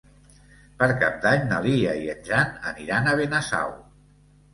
Per Cap d'Any na Lia i en Jan aniran a Benasau.